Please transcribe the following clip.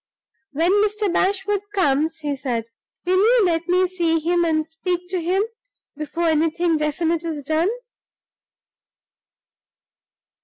"When Mr. Bashwood comes," he said, "will you let me see him, and speak to him, before anything definite is done?"